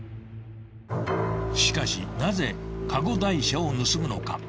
［しかしなぜカゴ台車を盗むのか］